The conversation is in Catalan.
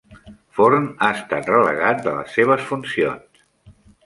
Forn ha estat relegat de les seves funcions